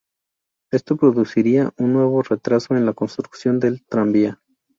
Esto produciría un nuevo retraso en la construcción del tranvía.